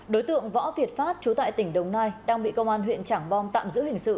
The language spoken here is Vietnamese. đối tượng võ việt phát trú tại tỉnh đồng nai đang bị công an huyện trảng bom tạm giữ hình sự